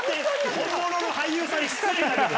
本物の俳優さんに失礼だよ。